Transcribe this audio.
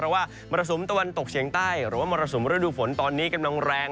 เพราะว่ามรสุมตะวันตกเฉียงใต้หรือว่ามรสุมฤดูฝนตอนนี้กำลังแรง